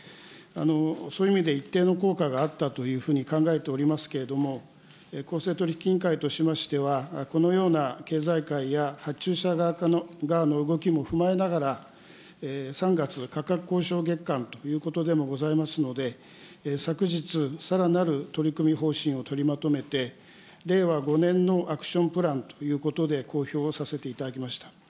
そういう意味で一定の効果があったというふうに考えておりますけれども、公正取引委員会としましては、このような経済界や発注者側の動きも踏まえながら、３月、価格交渉月間ということでもございますので、昨日、さらなる取り組み方針を取りまとめて、令和５年のアクションプランということで、公表をさせていただきました。